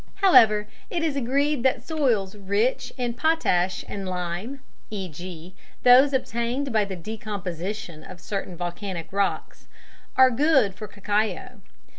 However, it is agreed that soils rich in potash and lime (e.g., those obtained by the decomposition of certain volcanic rocks) are good for cacao.